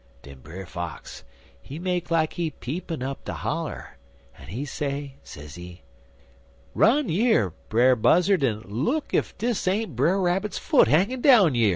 "Den Brer Fox, he make like he peepin' up de holler, en he say, sezee: "'Run yer, Brer Buzzard, en look ef dis ain't Brer Rabbit's foot hanging down yer.'